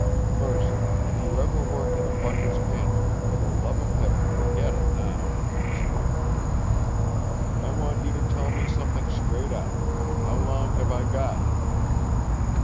"Mercer, if you ever worked in a butler's pantry, for the love of heaven forget it now!" exploded Kent, "I want you to tell me something straight out. How long have I got?"